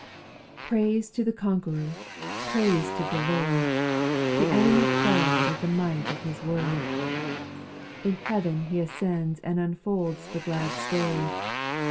2. Praise to the Conqueror, praise to the Lord, The enemy quaiPd at the might of His word ; In heaven He ascends and unfolds the glad story.